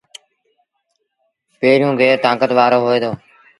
پيريوݩ گير تآݩڪت وآرو هوئي دو۔